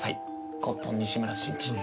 コットン・西村真二。